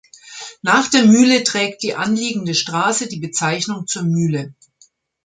Nach der Mühle trägt die anliegende Straße die Bezeichnung Zur Mühle.